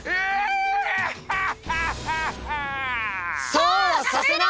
・そうはさせない！